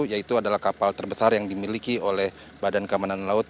yaitu adalah kapal terbesar yang dimiliki oleh badan kemanan laut